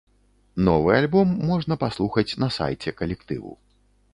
Новы альбом можна паслухаць на сайце калектыву.